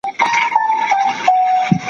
که اسلام نه وای نو هم به مسلمان وم.